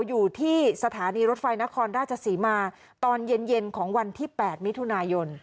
อยู่ที่สถานีรถไฟนครราชศรีมาตอนเย็นของวันที่๘มิถุนายน